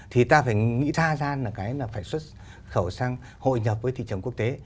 thì ta phải nghĩ tha ra là cái là phải xuất khẩu sang hội nhập với thị trường quốc tế